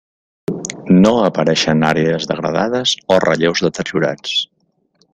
No apareixen àrees degradades o relleus deteriorats.